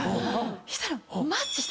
そしたら。